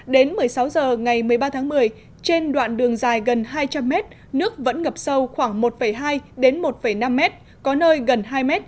đến một mươi sáu h ngày một mươi ba tháng một mươi trên đoạn đường dài gần hai trăm linh mét nước vẫn ngập sâu khoảng một hai đến một năm mét có nơi gần hai m